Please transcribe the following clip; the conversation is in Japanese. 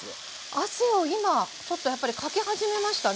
汗を今ちょっとやっぱりかき始めましたね。